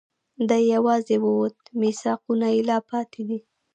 دی یواځي ووت، میثاقونه یې لا پاتې دي